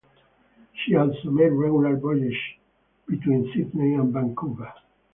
She also made regular voyages between Sydney and Vancouver.